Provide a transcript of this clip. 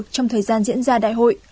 trong thời gian diễn ra đại hội